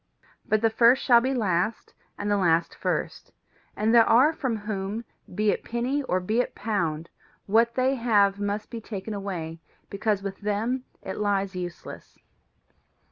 But the first shall be last, and the last first; and there are from whom, be it penny or be it pound, what they have must be taken away because with them it lies useless.